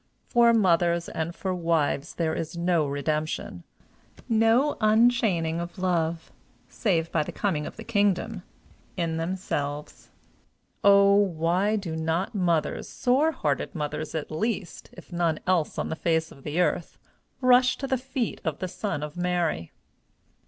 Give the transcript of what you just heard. For mothers and for wives there is no redemption, no unchaining of love, save by the coming of the kingdom in themselves. Oh! why do not mothers, sore hearted mothers at least, if none else on the face of the earth, rush to the feet of the Son of Mary?